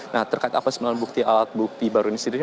nah terkait apa sembilan bukti alat bukti baru ini sendiri